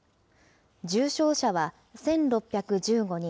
重症者は１６１５人。